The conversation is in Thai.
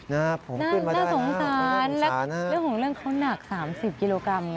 น่าสงสารและเรื่องของเรื่องเขาหนัก๓๐กิโลกรัม